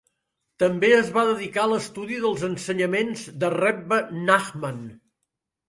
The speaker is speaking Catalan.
També es va dedicar a l'estudi dels ensenyaments de Rebbe Nachman.